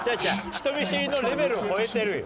人見知りのレベルを越えてるよ。